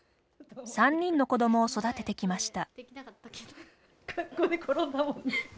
３人の子どもを育ててきました。